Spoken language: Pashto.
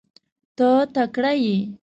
ته تکړه یې .